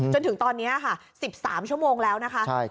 จนถึงตอนนี้ค่ะ๑๓ชั่วโมงแล้วนะคะ